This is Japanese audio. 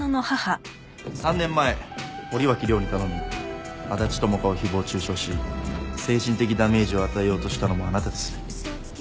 ３年前堀脇涼に頼み安達智花を誹謗中傷し精神的ダメージを与えようとしたのもあなたですね。